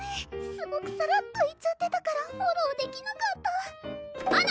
すごくサラッと言っちゃってたからフォローできなかったあの！